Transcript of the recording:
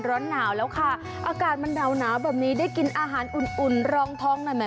ร้อนหนาวแล้วค่ะอากาศมันหนาวแบบนี้ได้กินอาหารอุ่นอุ่นรองท้องหน่อยไหม